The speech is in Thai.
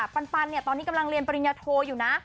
ปันเนี่ยตอนนี้กำลังเรียนปริญญาโทอยู่นะ